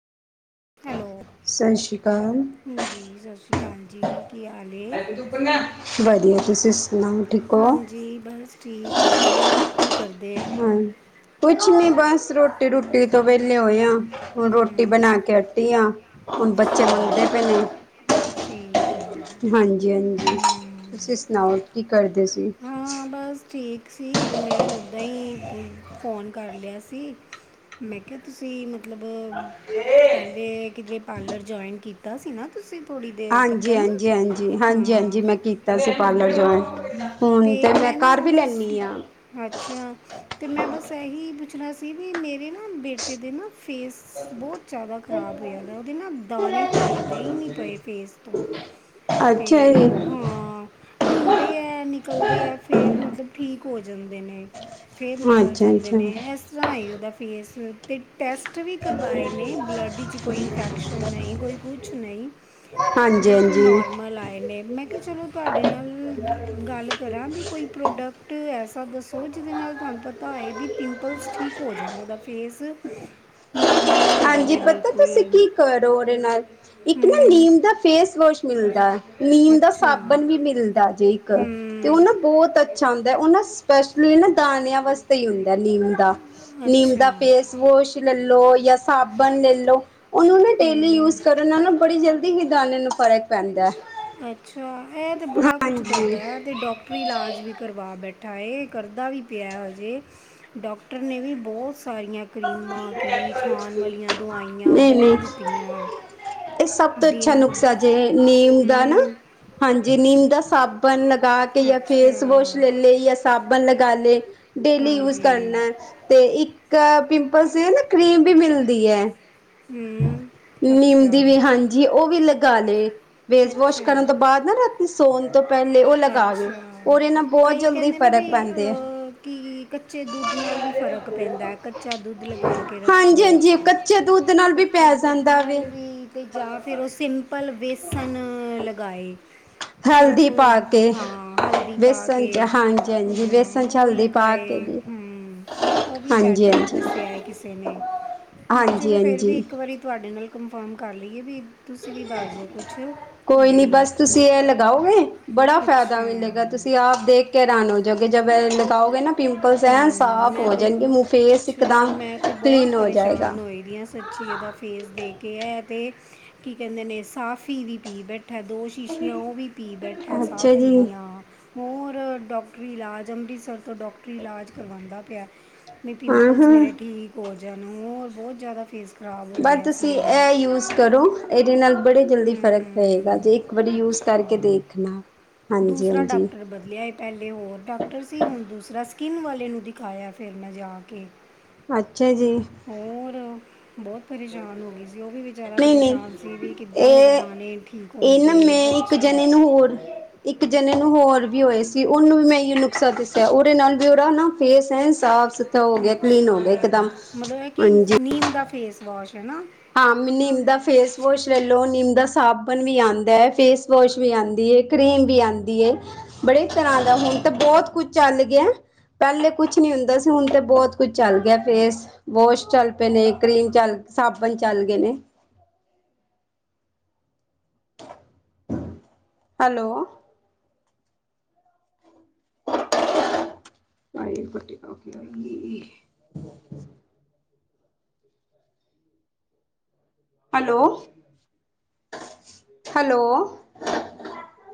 Hello, ਸਤਿ ਸ਼੍ਰੀ ਅਕਾਲ ਹਾਂਜੀ ਸਸ਼੍ਰੀ ਕਾਲ ਜੀ ਕੀ ਹਾਲ ਏ? [unintelligible] ਵਧੀਆ ਤੁਸੀਂ ਸੁ ਹਾਂਜੀ, ਬਸ ਠੀਕ ਵਧੀਆ ਕੀ ਕਰਦੇ? ਹਾਂ, ਕੁਛ ਨੀ ਬਸ ਰੋਟੀ- ਰੂਟੀ ਤੋਂ ਵਿਹਲੇ ਹੋਏ ਆ। ਹੁਣ ਰੋਟੀ ਹਮ ਬਣਾ ਕੇ ਅਟੀ ਆ ਹੁਣ ਬੱਚੇ ਅੱਛਾ ਰੋਂਦੇ ਪਏ ਨੇ ਠੀਕ ਏ। ਹਾਂਜੀ-ਹਾਂਜੀ, ਤੁਸੀਂ ਸੁਣਾਓ? ਕੀ ਕਰਦੇ ਸੀ? ਹਾਂ, ਬਸ ਠੀਕ ਸੀ ਮੈਂ ਉੱਦਾਂ ਹੀ ਫੋਨ ਕਰ ਲਿਆ ਸੀ। ਮੈਂ ਕਿਹਾ ਤੁਸੀਂ ਮਤਲਬ ਪਹਿਲੇ ਕਿਧਰੇ ਪਾਰਲਰ ਜੁਆਇਨ ਕੀਤਾ ਸੀ ਨਾ ਤੁਸੀਂ ਥੋੜੀ ਦੇਰ ਤੱਕ ਹਾਂਜੀ ਨਾ ਹਾਂਜੀ ਹਾਂਜੀ ਹਾਂਜੀ ਹਾਂ ਹਾਂਜੀ, ਮੈਂ ਕੀਤਾ ਸੀ ਪਾਰਲਰ ਜੁਆਇਨ ਹਾਂ ਹੁਣ ਅਤੇ ਤੇ ਮੈਂ ਨਾ ਘਰ ਉਹ ਵੀ ਬਸ ਲੈਣੀ ਆ। ਅੱਛਾ ਤੇ ਮੈਂ ਬਸ ਇਹੀ ਪੁੱਛਣਾ ਸੀ ਵੀ ਮੇਰੇ ਨਾ ਬੇਟੇ ਦੇ ਨਾ ਫੇਸ ਬਹੁਤ ਜ਼ਿਆਦਾ ਖ਼ਰਾਬ ਹੋਇਆ ਵਾ। ਉਹਦੇ ਨਾ ਦਾਣੇ ਹਟਦੇ ਹੀ ਨਹੀਂ ਪਏ ਫੇਸ ਤੋਂ। ਤੇ ਅੱਛਾ ਜੀ ਹਾਂ। ਹੁੰਦੇ ਏ, ਨਿਕਲਦੇ ਹੈ, ਫਿਰ ਮਤਲਬ ਠੀਕ ਹੋ ਜਾਂਦੇ ਨੇ। ਫਿਰ ਨਿਕਲ ਅੱਛਾ ਜਾਂਦੇ ਅੱਛਾ ਨੇ। ਇਸ ਤਰ੍ਹਾਂ ਉਹਦਾ ਫੇਸ ਅਤੇ ਟੈਸਟ ਵੀ ਕਰਵਾਏ ਨੇ ਬਲੱਡ 'ਚ ਕੋਈ ਇਨਫੈਕਸ਼ਨ ਨਹੀਂ ਕੋਈ ਕੁਛ ਕੁਛ ਨਹੀਂ। ਹਾਂਜੀ ਬਿਲਕੁਲ ਹਾਂਜੀ ਨੋਰਮਲ ਆਏ ਨੇ। ਮੈਂ ਕਿਹਾ ਚਲੋ ਤੁਹਾਡੇ ਨਾਲ ਗੱਲ [unintelligible] ਕਰਾਂ ਵੀ ਕੋਈ ਪ੍ਰੋਬ ਪ੍ਰੋਡਕਟ ਐਸਾ ਦੱਸੋ? ਜਿਹਦੇ ਨਾਲ ਤੁਹਾਨੂੰ ਪਤਾ ਹੋਏ ਵੀ ਪਿੰਪਲਸ ਠੀਕ ਹੋ ਜਾਣ ਉਹਦਾ ਫੇਸ। ਹ [unintelligible] ਨੋਰਮਲ ਉ ਹਾਂਜੀ, ਪਤਾ ਤੁਸੀਂ ਕੀ ਕਰੋ ਉਹਦੇ ਨਾਲ ਇੱਕ ਨਾ ਹੂੰ ਨੀਮ ਦਾ ਫੇਸ ਵੋਸ਼ ਮਿਲਦਾ। ਨੀਮ ਦਾ ਅੱਛਾ ਸਾਬਣ ਵੀ ਮਿਲਦਾ ਜੇ ਇੱਕ। ਤੇ ਉਹ ਹੂੰ ਨਾ ਬਹੁਤ ਅੱਛਾ ਹੁੰਦਾ। ਉਹ ਨਾ ਸਪੈਸ਼ਲੀ ਨਾ ਦਾਣਿਆਂ ਵਾਸਤੇ ਹੀ ਹੁੰਦਾ ਨੀਮ ਦਾ। ਨੀਮ ਅੱਛਾ ਫੇਸ ਵੋਸ਼ ਲਾ ਲੋ ਜਾਂ ਸਾਬਣ ਲੈ ਲੋ। ਉਹਨੂੰ ਨਾ ਡੇਲੀ ਹੂੰ ਯੂਜ ਕਰੋ। ਇਹਨਾਂ ਨੂੰ ਬੜੀ ਜਲਦੀ ਵੀ ਦਾਨਿਆ ਨੂੰ ਫਰਕ ਪੈਂਦਾ। ਅੱਛਾ, ਇਹ ਤੇ ਬੜਾ ਕੁਛ ਹਾਂਜੀ ਕਰਦਾ ਹੈ ਤੇ ਡਾਕ ਡਾਕਟਰੀ ਇਲਾਜ ਵੀ ਕਰਵਾ ਬੈਠਾ ਹੈ। ਕਰਦਾ ਵੀ ਪਿਆ ਹਜੇ। ਡਾਕਟਰ ਨੇ ਵੀ ਬਹੁਤ ਸਾਰੀਆਂ ਕਰੀਮਾਂ ਕੀ, ਖਾਣ ਵਾਲੀਆਂ ਦਵਾਈਆਂ ਨਹੀਂ ਬਹੁਤ ਨਹੀਂ ਦਿੱਤੀਆਂ। ਇਹ ਸਭ ਤੋਂ ਅੱਛਾ ਦਿਨ ਨੁਕਸਾ ਜੇ ਨੀਮ ਦਾ ਨਾ ਹੂੰ ਹਾਂਜੀ ਨੀਮ ਦਾ ਸਾਬ ਸਾਬਨ ਲਗਾ ਕੇ ਜਾਂ ਅੱਛਾ ਫੇਸ ਵਾਸ਼ ਲੈਲੇ ਜਾਂ ਸਾਬਣ ਲਗਾ ਲੇ। ਡੇਲੀ ਯੂਜ ਹਾਂਜੀ ਕਰਨਾ ਤੇ ਇੱਕ ਪਿੰਪਲਸ ਕ੍ਰੀਮ ਵੀ ਮਿਲਦੀ ਏ। ਹੂੰ ਨੀਮ ਅੱਛਾ ਦੀ ਵੀ ਹਾਂਜੀ, ਉਹ ਵੀ ਲਗਾ ਲੇ। ਫੇਸ ਵੋਸ਼ ਅੱਛਾ ਕਰਨ ਤੋਂ ਬਾਅਦ ਨਾ ਰਾਤੀ ਸੌਣ ਤੋਂ ਪਹਿਲੇ ਉਹ ਲਗਾ ਵੇ ਅੱਛਾ ਉਹਦੇ ਨਾ ਕਈ ਕਹਿੰਦੇ ਨੇ ਵੀ ਕੀ ਕੱਚੇ ਦੁੱਧ ਨਾਲ ਵੀ ਫ਼ਰਕ ਪੈਂਦਾ। ਕੱਚਾ ਦੁੱਧ ਲਗਾ ਕੇ ਰੱਖੋ, ਹਾਂਜੀ ਹਾਂਜੀ ਕੱਚੇ ਦੁੱਧ ਨਾਲ ਵੀ ਕੱਚੇ ਪੈ ਦੁੱਧ ਜਾਂਦਾ ਵੇ ਨਾਲ ਵੀ। ਤੇ ਜਾਂ ਫਿਰ ਉਹ ਸਿੰਪਲ ਬੇਸਨ ਲਗਾਏ। ਸਿਰਫ ਹਲਦੀ ਪਾ ਕੇ ਹਾਂ, ਹਲਦੀ ਪਾ ਬੇਸਣ ਕੇ ਚ ਹਾਂਜੀ ਹਾਂਜੀ ਬੇਸਣ ਹਾਂ, ਚ ਉਹ ਹਲਦੀ ਪਾ ਕੇ ਲਗਾਏ। ਵੀ ਹਮ‌, ਉਹ ਵੀ ਹਾਂਜੀ ਬੈਟਰ ਹਾਂਜੀ ਦੱਸਿਆ ਏ ਕਿਸੇ ਨੇ। ਮੈਂ ਕਿਹਾ ਹਾਂਜੀ ਚਲੋ, ਫਿਰ ਵੀ ਹਾਂਜੀ ਇੱਕ ਵਾਰੀ ਤੁਹਾਡੇ ਨਾਲ ਕਨਫਰਮ ਕਰ ਲਈਏ ਵੀ ਤੁਸੀਂ ਵੀ ਦੱਸ ਦਿਉ ਕੁਝ? ਕੋਈ ਨੀ ਬਸ ਤੁਸੀਂ ਇਹ ਲਗਾਓਗੇ ਬੜਾ ਫਾਇਦਾ ਅੱਛਾ ਮਿਲੇਗਾ। ਤੁਸੀ ਦੇਖ ਕੇ ਹੈਰਾਨ ਹੋ ਜਾਗੇ ਜਬ ਐ ਲਗਾਓ ਗੇ ਨਾ। ਪਿੰਪਲਸ ਐਨ ਹਮ ਸਾਫ਼ ਮੈਂ ਹੋ ਤੇ ਜਾਣਗੇ ਫੇਸ ਇਕਦਮ ਕਲੀਨ ਹੋ ਜਾਏਗਾ। [unintelligible] ਜੀ ਇਹਦਾ ਫੇਸ ਦੇ ਕੇ ਹੈ ਤੇ ਕੀ ਕਹਿੰਦੇ ਨੇ ਸਾਫੀ ਹੀ ਵੀ ਪੀ ਬੈਠਾ। ਦੋਸ਼ ਸ਼ੀਸ਼ੀਆਂ ਉਹ ਵੀ ਪੀ ਬੈਠਾ ਅੱਛਾ ਸਾਹਫੀ ਜੀ ਦੀਆਂ। ਹੋਰ ਡਾਕਟਰੀ ਇਲਾਜ ਅੰਮ੍ਰਿਤਸਰ ਤੋਂ ਡਾਕਟਰੀ ਇਲਾਜ ਕਰਵਾਉਂਦਾ ਪਿਆ। ਨਹੀਂ ਹਾਂ ਪਿੰਪਲਸ ਹਾਂ ਮੇਰੇ ਠੀਕ ਹੋ ਜਾਣ ਹੋਰ ਬਹੁਤ ਜ਼ਿਆਦਾ ਫੇਸ ਖਰਾਬ ਹੋ ਬਸ ਗਿਆ ਤੁਸੀਂ ਸੀ ਇਹਦਾ ਇਹ ਯੂਜ ਕਰੋ। ਇਹਦੇ ਨਾਲ ਬੜੇ ਜਲਦੀ ਫ਼ਰਕ ਪਏਗਾ ਹਮ, ਜੇ ਇੱਕ ਵਾਰੀ ਯੂਜ ਕਰਕੇ ਅੱਛਾ ਦੇਖਣਾ, ਹਾਂਜੀ- ਦੂਸਰਾ ਹਾਂਜੀ। [unintelligible] ਪਹਿਲੇ ਹੋਰ ਡਾਕਟਰ ਸੀ। ਹੁਣ ਦੂਸਰਾ ਸਕਿੰਨ ਵਾਲੇ ਨੂੰ ਦਿਖਾਇਆ ਫਿਰ ਮੈਂ ਜਾ ਕੇ। ਅੱਛਾ ਜੀ। ਹੋਰ ਬਹੁਤ ਪਰੇਸ਼ਾਨ ਹੋ ਗਈ ਸੀ। ਉਹ ਵੀ ਵਿਚਾਰਾ ਨਹੀਂ ਨਹੀਂ ਪਰੇਸ਼ਾਨ ਸੀ ਵੀ ਕਿੱਦਾਂ ਮੇਰੇ ਇਹ ਦਾਣੇ ਠੀਕ -ਇਹ ਨਾ ਹੋਣਗੇ ਮੈਂ ਇੱਕ ਬੱਚਾ ਜਣੇ ਨੂੰ ਹੋਰ। ਇੱਕ ਜਣੇੇ ਨੂੰ ਹੋਰ ਵੀ ਹੋਏ ਸੀ। ਉਹਨੂੰ ਵੀ ਮੈਂ ਇਹੋ ਨੁਕਸਾ ਦੱਸਿਆ। ਉਹਦੇ ਨਾਲ ਵੀ ਉਹਦਾ ਨਾ ਫੇਸ ਐਣ ਸਾਫ। ਅੱਛਾ, ਹੈ ਕਿ ਹਾਂਜੀ ਨੀਮ ਦਾ ਫੇਸ ਵਾਸ਼ ਐ ਨਾ। ਹਾਂ ਨਿੰਮ ਦਾ ਫੇਸ ਵੋਸ਼ ਲੈ ਲਓ। ਨਿੰਮ ਦਾ ਸਾਬਣ ਵੀ ਆਦਾ ਐ ਫੇਸ ਵੋਸ਼ ਵੀ ਆਦੀ ਏ। ਕਰੀਮ ਵੀ ਆਦੀ ਏ। ਬੜੇ ਤਰ੍ਹਾਂ ਦਾ ਹੁਣ ਤਾਂ ਬਹੁਤ ਕੁਛ ਚੱਲ ਗਿਆ। ਪਹਿਲੇ ਕੁਛ ਨਹੀਂ ਹੁੰਦਾ ਸੀ। ਹੁਣ ਤਾਂ ਬਹੁਤ ਕੁਝ ਚੱਲ ਗਿਆ ਫੇਸ ਵੋਸ਼ ਚੱਲ ਪਏ ਨੇ, ਕਰੀਮ ਚੱਲ ਸਾਬਨ ਚੱਲ ਗਏ ਨੇ। [inaudible] ਹੈਲੋ। [unintelligible] Hello- hello.